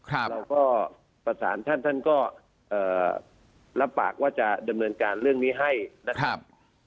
เราก็ประสานท่านท่านก็รับปากว่าจะดำเนินการเรื่องนี้ให้นะครับ